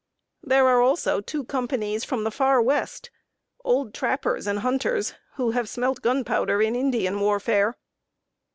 There are also two companies from the Far West old trappers and hunters, who have smelt gunpowder in Indian warfare.